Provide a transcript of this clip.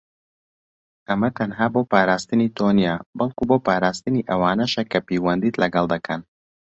ئەمە تەنها بۆ پاراستنی تۆ نیە، بەڵکو بۆ پاراستنی ئەوانەشە کە پیوەندیت لەگەڵ دەکەن.